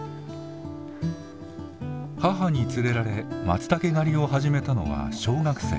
母に連れられまつたけ狩りを始めたのは小学生。